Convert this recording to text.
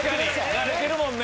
慣れてるもんね。